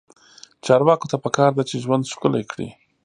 چارواکو ته پکار ده چې، ژوند ښکلی کړي.